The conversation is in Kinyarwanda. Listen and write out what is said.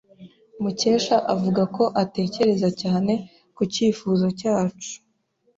Mukesha avuga ko atekereza cyane ku cyifuzo cyacu.